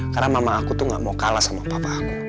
karena mama aku tuh gak mau kalah sama papa aku